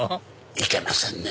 いけませんね。